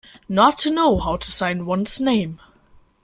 Not to know how to sign one's name.